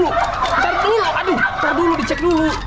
ntar dulu aduh ntar dulu dicek dulu